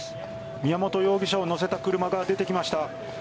宮本容疑者を乗せた車が出てきました。